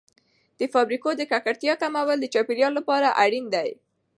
د فابریکو د ککړتیا کمول د چاپیریال لپاره اړین دي.